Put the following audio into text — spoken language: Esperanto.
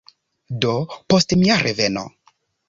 Do, post mia reveno